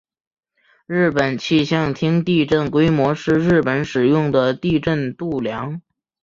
日本气象厅地震规模是日本使用的地震度量。